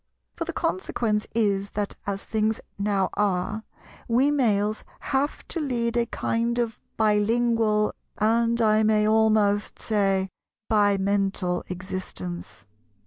For the consequence is that, as things now are, we Males have to lead a kind of bi lingual, and I may almost say bimental, existence.